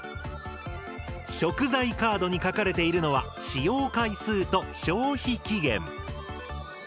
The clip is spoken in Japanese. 食材カードに書かれているのは使用回数と消費期限。